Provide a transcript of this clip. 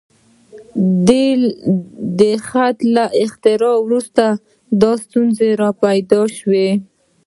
د خط له اختراع وروسته دا ستونزې راپیدا شوې.